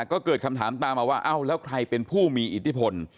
ก็เกิดคำถามตามมาว่าเอ้าแล้วใครเป็นผู้มีอิทธิพล